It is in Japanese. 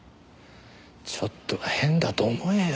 ちょっと変だと思えよ。